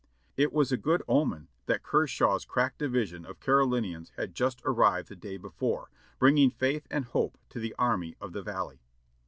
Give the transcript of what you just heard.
It was a good omen that Kershaw's crack division of Carolin ians had just arrived the day before, bringing faith and hope to the Army of the Valley.